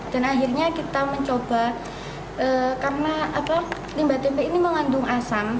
dan akhirnya kita mencoba karena limbah tempe ini mengandung asam